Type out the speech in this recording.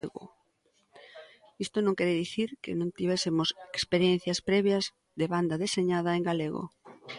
Isto non quere dicir que non tivésemos experiencias previas de banda deseñada en galego.